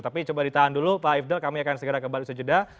tapi coba ditahan dulu pak ifdal kami akan segera kembali sejeda